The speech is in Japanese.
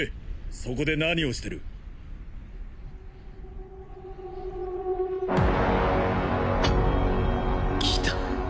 そこで何をしてる来た！